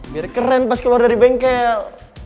biar keren pas keluar dari bengkel